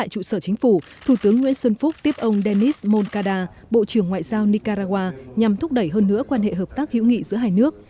trung tướng nguyễn xuân phúc tiếp ông denis moncada bộ trưởng ngoại giao nicaragua nhằm thúc đẩy hơn nữa quan hệ hợp tác hữu nghị giữa hai nước